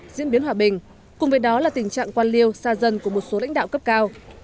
diễn biến hòa bình cùng với đó là tình trạng quan liêu xa dân của một số lãnh đạo cấp cao